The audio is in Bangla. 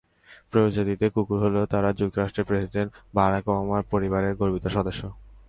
প্রজাতিতে কুকুর হলেও তারা যুক্তরাষ্ট্রের প্রেসিডেন্ট বারাক ওবামার পরিবারের গর্বিত সদস্য।